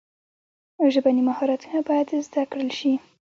ژبني مهارتونه باید زده کړل سي.